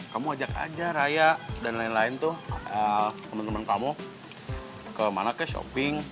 kamu ajak aja raya dan lain lain tuh temen temen kamu kemana kayak shopping